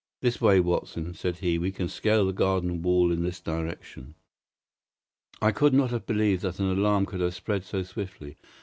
"This way, Watson," said he; "we can scale the garden wall in this direction." I could not have believed that an alarm could have spread so swiftly.